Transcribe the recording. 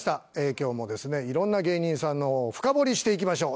今日もですね色んな芸人さんを深掘りしていきましょう。